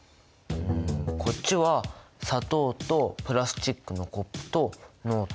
こっちは砂糖とプラスチックのコップとノート。